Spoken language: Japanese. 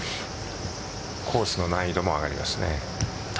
コースの難易度も上がりますね。